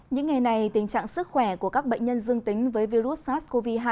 những ngày này tình trạng sức khỏe của các bệnh nhân dương tính với virus sars cov hai